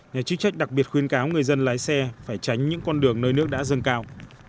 nhà chức trách đặc biệt khuyên cáo người dân lái xe phải tránh những con đường nơi nước đã dâng cao